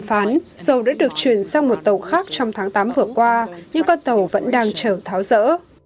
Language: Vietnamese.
tàu cypher đã được truyền sang một tàu khác trong tháng tám vừa qua nhưng con tàu vẫn đang chờ tháo rỡ